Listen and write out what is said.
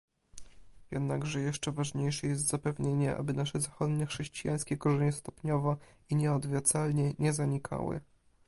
Jednakże jeszcze ważniejsze jest zapewnienie, aby nasze zachodniochrześcijańskie korzenie stopniowo i nieodwracalnie nie zanikały